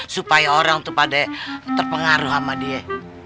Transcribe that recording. supaya orang tuh pada terpengaruh sama dia